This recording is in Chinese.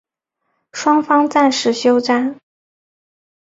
双方暂时休战。